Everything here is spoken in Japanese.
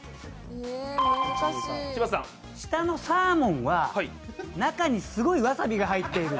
下のサーモンは、中にすごいわさびが入っている。